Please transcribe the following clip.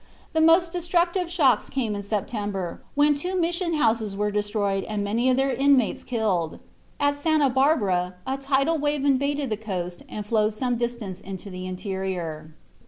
The most destructive shocks came in September, when two Mission houses were destroyed and many of their inmates killed. At Santa Barbara a tidal wave invaded the coast and flowed some distance into the interior.